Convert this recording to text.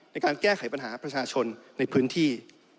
ในการแก้ไขปัญหาประชาชนในพื้นที่